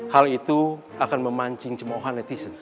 hal itu akan memancing cemohan netizen